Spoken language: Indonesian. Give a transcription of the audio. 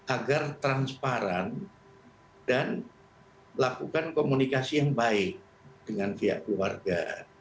agar transparan dan lakukan komunikasi yang baik dengan pihak keluarga